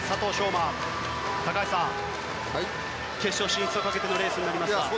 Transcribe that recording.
馬、高橋さん決勝進出をかけてのレースになりますが。